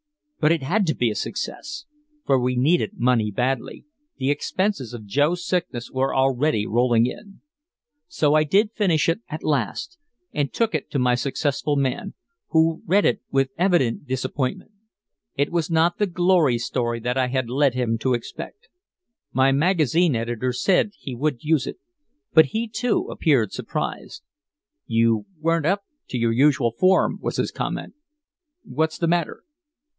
But it had to be a success, for we needed money badly, the expenses of Joe's sickness were already rolling in. So I did finish it at last and took it to my successful man, who read it with evident disappointment. It was not the glory story that I had led him to expect. My magazine editor said he would use it, but he, too, appeared surprised. "You weren't up to your usual form," was his comment. "What's the matter?"